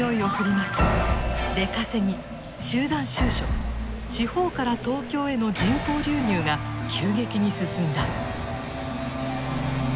出稼ぎ集団就職地方から東京への人口流入が急激に進んだ。